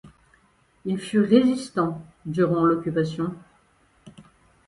Il fut résistant durant l'occupation.